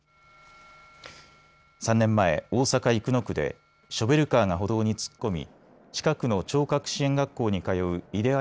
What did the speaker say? ３年前、大阪生野区でショベルカーが歩道に突っ込み近くの聴覚支援学校に通う井出安